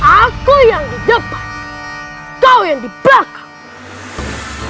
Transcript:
aku yang di depan kau yang di belakang